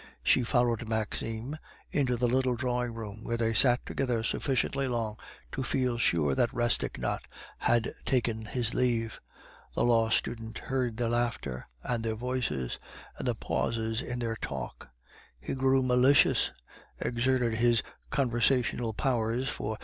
She followed Maxime into the little drawing room, where they sat together sufficiently long to feel sure that Rastignac had taken his leave. The law student heard their laughter, and their voices, and the pauses in their talk; he grew malicious, exerted his conversational powers for M.